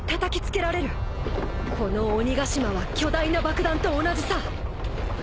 この鬼ヶ島は巨大な爆弾と同じさ。